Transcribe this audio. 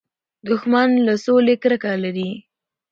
دښمن له سولې کرکه لري